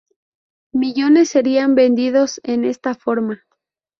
Millones serían vendidos en esta forma.